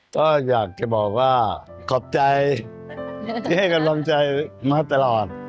ก็อยากจะบอกว่าขอบใจที่ให้กำลังใจมาตลอด